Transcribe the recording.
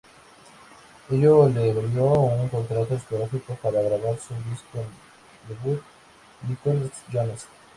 Ello le valió un contrato discográfico para grabar su disco debut "Nicholas Jonas".